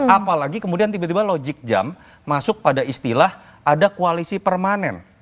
apalagi kemudian tiba tiba logik jam masuk pada istilah ada koalisi permanen